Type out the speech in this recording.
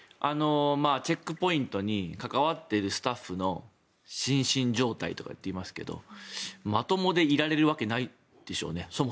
チェックポイントに関わっているスタッフの心身状態とかって言いますけどまともでいられるわけないでしょうね。